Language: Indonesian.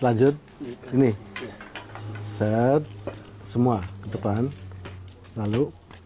lanjut ini set semua depan lalu